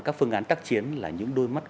các phương án tác chiến là những đôi mắt